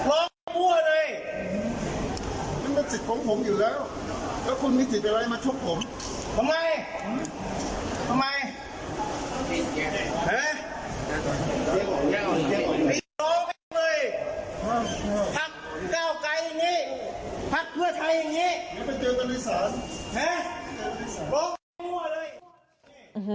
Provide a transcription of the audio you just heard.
โอ้โหเนี่ยอาจารย์ที่ใส่สูตรนะบ้าง